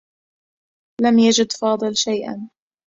لم يجد فاضل شيئا.